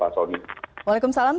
selamat malam mbak